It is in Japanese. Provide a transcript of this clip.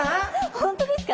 本当ですか？